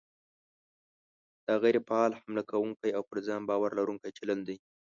دا غیر فعال، حمله کوونکی او پر ځان باور لرونکی چلند دی.